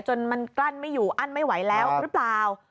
จนมันกลั้นไม่อยู่อั้นไม่ไหวแล้วหรือเปล่า